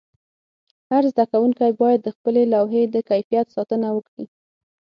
هر زده کوونکی باید د خپلې لوحې د کیفیت ساتنه وکړي.